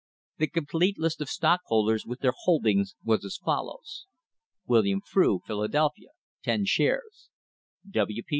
The complete list of stockholders, with their holdings, was as follows : William Frew, Philadelphia 10 shares W. P.